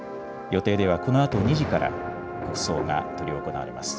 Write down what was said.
予定では、このあと２時から国葬が執り行われます。